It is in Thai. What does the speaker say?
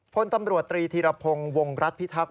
พลตำรวจตรีธีรพงศ์วงรัฐพิทักษ